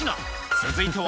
続いては。